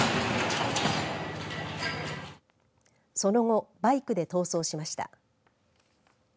その後、バイクで逃走しました。